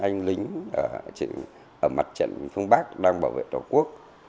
anh lính ở mặt trận phương bắc đang bảo vệ tổ quốc